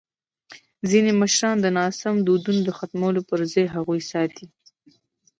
ځینې مشران د ناسم دودونو د ختمولو پر ځای هغوی ساتي.